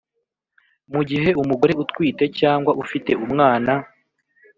Mu gihe umugore utwite cyangwa ufite umwana